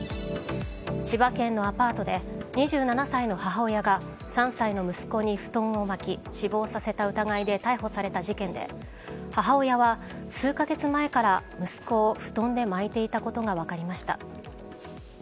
千葉県のアパートで２７歳の母親が３歳の息子に布団を巻き死亡させた疑いで逮捕された事件で母親は、数か月前から息子を布団で巻いていたことが分かりました。